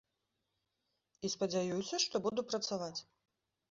І спадзяюся, што буду працаваць.